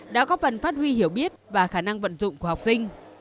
đã có phần phát huy hiểu biết và khả năng vận dụng của học sinh